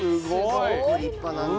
すごく立派なんですよ。